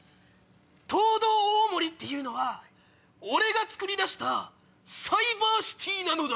トウドオオモリっていうのは俺がつくり出したサイバーシティーなのだ。